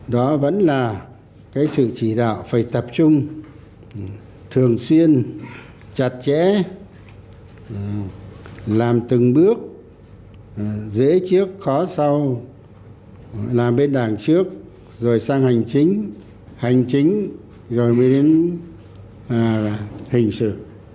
đó vẫn là cái sự chỉ đạo phải tập trung thường xuyên chặt chẽ làm từng bước dễ trước khó sau làm bên đảng trước rồi sang hành chính hành chính rồi mới đến hình sự